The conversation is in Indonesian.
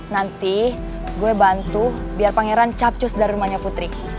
nanti gue bantu biar pangeran capcus dari rumahnya putri